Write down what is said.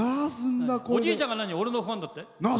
おじいちゃんが俺のファンだって？